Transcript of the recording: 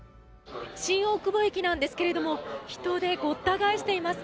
新大久保駅なんですけども人でごった返しています。